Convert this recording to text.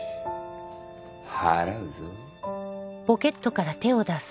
払うぞ。